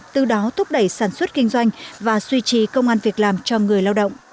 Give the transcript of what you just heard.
từ đó thúc đẩy sản xuất kinh doanh và suy trì công an việc làm cho người lao động